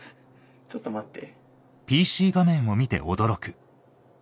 ちょっと待って。